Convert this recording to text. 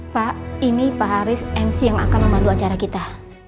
pak ini pak haris mc yang akan memandu acara kita